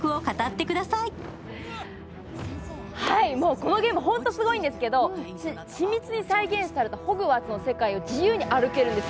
このゲーム、ほんとすごいんですけど、緻密に再現されたホグワーツの世界を自由に歩けるんですよ。